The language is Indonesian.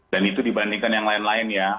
dan itu dibandingkan yang lain lain ya